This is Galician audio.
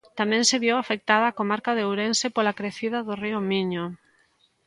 Tamén se viu afectada a comarca de Ourense pola crecida do río Miño.